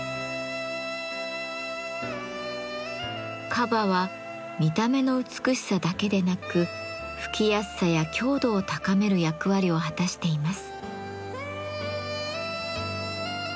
樺は見た目の美しさだけでなく吹きやすさや強度を高める役割を果たしています。